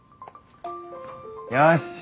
よし！